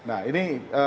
oke nah ini